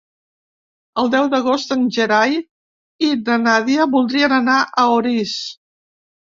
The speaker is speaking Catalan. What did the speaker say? El deu d'agost en Gerai i na Nàdia voldrien anar a Orís.